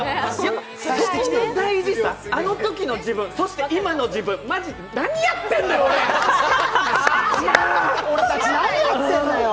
そこの大事さ、あのときの自分、そして、今の自分、マジで何やってんだよ俺って。